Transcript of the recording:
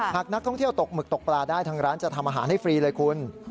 หากนักท่องเที่ยวตกหมึกตกปลาได้ทางร้านจะทำอาหารให้ฟรีเลยคุณ